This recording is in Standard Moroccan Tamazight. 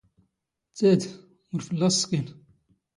ⵜⴰⴷ, ⵓⵔ ⴼⵍⵍⴰⵙ ⵚⴽⴽⵉⵏ.